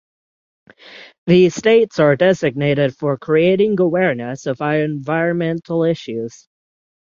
These dates are designated for creating awareness of environmental issues.